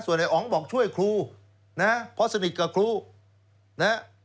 ส่วนไอ้อ๋องบอกช่วยครูนะครับเพราะสนิทกับครูนะครับ